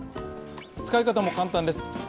使い方も簡単です。